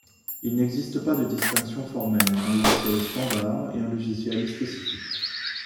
Il n'existe pas de distinction formelle entre un logiciel standard et un logiciel spécifique.